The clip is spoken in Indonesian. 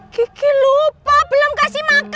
kiki lupa belum kasih makan